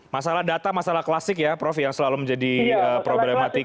masalah data masalah klasik ya prof yang selalu menjadi problematika